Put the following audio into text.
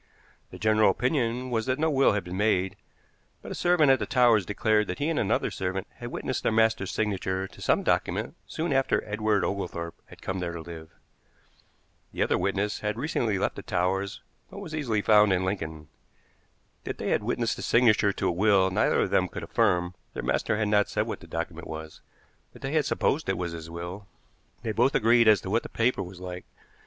The general opinion was that no will had been made, but a servant at the Towers declared that he and another servant had witnessed their master's signature to some document soon after Edward Oglethorpe had come there to live. The other witness had recently left the Towers, but was easily found in Lincoln. That they had witnessed the signature to a will neither of them could affirm; their master had not said what the document was, but they had supposed it was his will. They both agreed as to what the paper was like.